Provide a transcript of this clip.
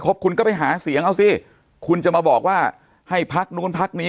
คุณก็ไปหาเสียงเอาสิคุณจะมาบอกว่าให้พักนู้นพักนี้